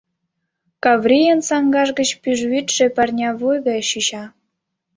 Каврийын саҥгаж гыч пӱжвӱдшӧ парнявуй гай чӱча.